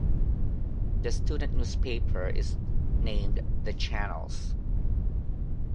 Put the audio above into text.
The student newspaper is named "The Channels".